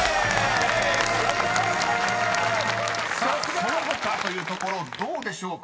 ［さあその他というところどうでしょう？